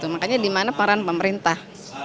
makanya dimana peran pemerintah